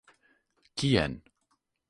Kien?